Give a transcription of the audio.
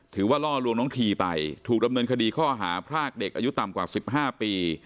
ล่อลวงน้องทีไปถูกดำเนินคดีข้อหาพรากเด็กอายุต่ำกว่า๑๕ปี